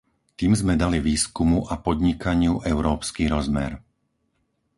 Tým sme dodali výskumu a podnikaniu európsky rozmer.